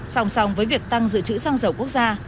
sòng sòng với việc tăng dự trữ xăng dầu quốc gia